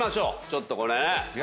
ちょっとこれね。